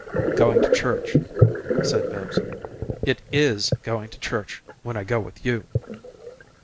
"Going to church," said Bibbs. "It IS going to church when I go with you!"